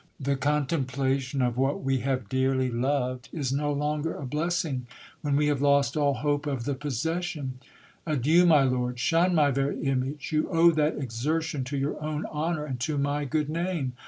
The contemplation of what we have dearly loved is no longer a blessing, when we have lost all hope of the possession. Adieu, my ord ! Shun my very image. You owe that exertion to your own honour and to my good name.